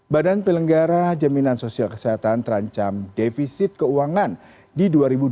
badan pelenggara jaminan sosial kesehatan terancam defisit keuangan di dua ribu dua puluh